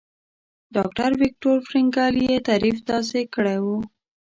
ډاکټر ويکټور فرېنکل يې تعريف داسې کړی وو.